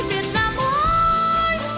việt nam ơi